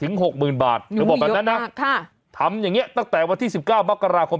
เธอบอกแบบนั้นนะทำอย่างนี้ตั้งแต่วันที่๑๙มกราคม